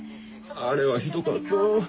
あれはひどかった。